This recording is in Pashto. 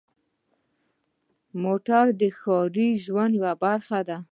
موټر د ښاري ژوند یوه برخه ده.